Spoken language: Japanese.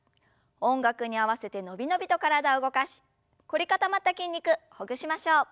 音楽に合わせて伸び伸びと体を動かし凝り固まった筋肉ほぐしましょう。